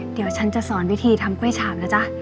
เดี๋ยวฉันจะสอนวิธีทำกล้วยฉาบนะจ๊ะ